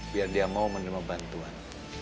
biar dia mau menerima bantuan